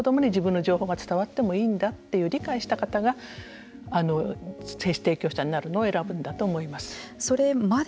そしたら生まれた子どもに自分の情報が伝わってもいいんだと理解した方が精子提供者になるのを選ぶんだと思います。